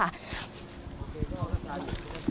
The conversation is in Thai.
ท่านมาอย่างไรบ้าง